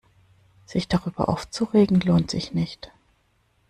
Sich darüber aufzuregen, lohnt sich nicht.